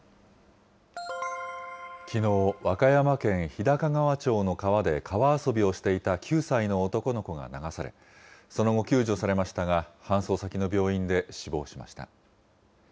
きのう、和歌山県日高川町の川で川遊びをしていた９歳の男の子が流され、その後、救助されましたが、搬送先の病院で死亡しました。